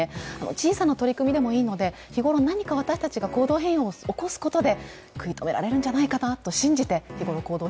小さな取り組みでもいいので、日ごろ何か私たちが行動変容を起こすことで何か食い止めていけるのではないかなと思います